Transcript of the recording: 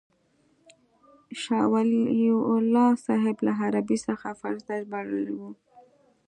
شاه ولي الله صاحب له عربي څخه فارسي ته ژباړلې وه.